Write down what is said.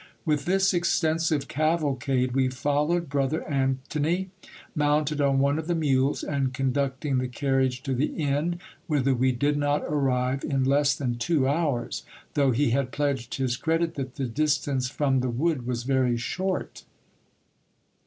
With this extensive cavalcade we followed brother Antony, mounted on one of the mules, and conducting the carriage to the inn, whither we did not arrive in less than two hours, though he had pledged his credit that the distance from the wood was very short.